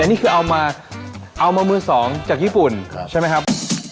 นี่คือเอามาเอามามือสองจากญี่ปุ่นใช่ไหมครับ